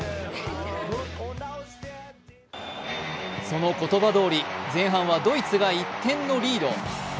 その言葉どおり前半はドイツが１点のリード。